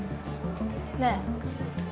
ねえ。